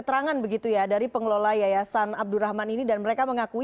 terima kasih pak